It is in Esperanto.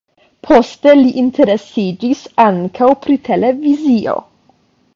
Poste li interesiĝis ankaŭ pri televizio.